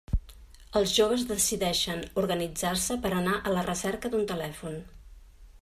Els joves decideixen organitzar-se per anar a la recerca d'un telèfon.